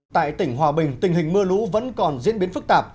tại tỉnh hòa bình tình hình mưa lũ vẫn còn diễn biến phức tạp